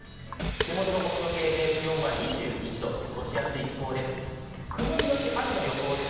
手元の温度計で気温は２１度、過ごしやすい気候です。